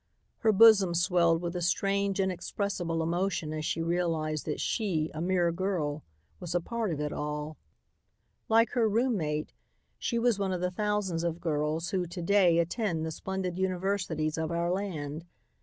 Her bosom swelled with a strange, inexpressible emotion as she realized that she, a mere girl, was a part of it all. Like her roommate, she was one of the thousands of girls who to day attend the splendid universities of our land.